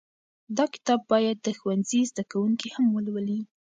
دا کتاب باید د ښوونځي زده کوونکي هم ولولي.